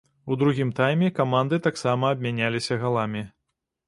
У другім тайме каманды таксама абмяняліся галамі.